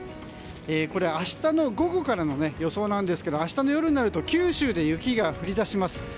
これは明日の午後からの予想なんですが明日の夜になると九州で雪が降り出します。